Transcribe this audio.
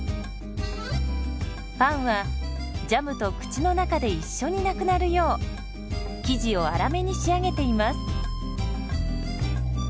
パンはジャムと口の中で一緒になくなるよう生地を粗めに仕上げています。